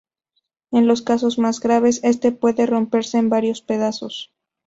En los casos más graves, este puede romperse en varios pedazos.